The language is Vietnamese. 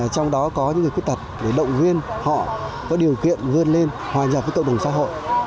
trong đó có những người khuyết tật để động viên họ có điều kiện vươn lên hòa nhập với cộng đồng xã hội